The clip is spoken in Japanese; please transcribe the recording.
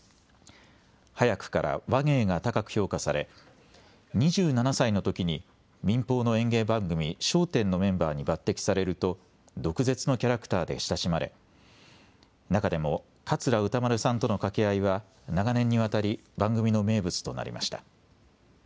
早くから話芸が高く評価され２７歳のときに民放の演芸番組、笑点のメンバーに抜てきされると毒舌のキャラクターで親しまれ中でも桂歌丸さんとの掛け合いは長年にわたり番組の名物となりました。